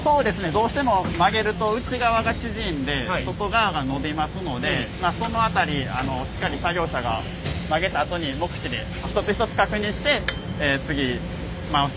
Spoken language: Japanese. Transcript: どうしても曲げると内側が縮んで外側が伸びますのでその辺りしっかり作業者が曲げたあとに目視で一つ一つ確認して次回していくというような形に。